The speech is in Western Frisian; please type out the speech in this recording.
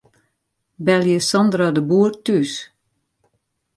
Belje Sandra de Boer thús.